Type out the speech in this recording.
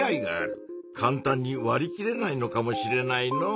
かんたんにわりきれないのかもしれないのう。